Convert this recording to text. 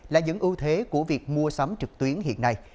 là những ưu thế của việc mua sắm trực tuyến hiện nay